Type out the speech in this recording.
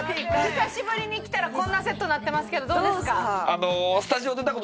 久しぶりに来たらこんなセットになってますけどどうですか？